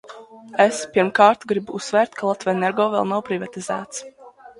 "Es, pirmkārt, gribu uzsvērt, ka "Latvenergo" vēl nav privatizēts."